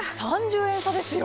３０円差ですよ。